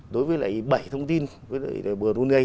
đối với lại bảy thông tin